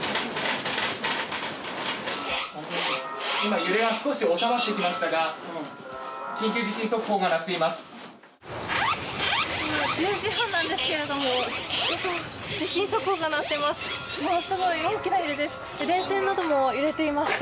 今、揺れは少し収まってきましたが緊急地震速報が鳴っています。